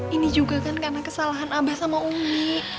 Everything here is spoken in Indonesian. ini juga kan karena kesalahan abah sama umi